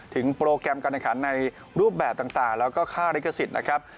โปรแกรมการแข่งขันในรูปแบบต่างแล้วก็ค่าลิขสิทธิ์นะครับ